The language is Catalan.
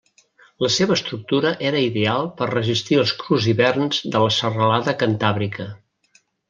La seva estructura era ideal per resistir els crus hiverns de la serralada cantàbrica.